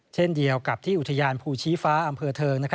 เช่นเดียวกับที่อุทยานภูชีฟ้าอำเภอเทิง